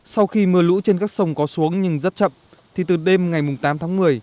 sau khi mưa lũ trên các sông có xuống nhưng rất chậm thì từ đêm ngày tám tháng một mươi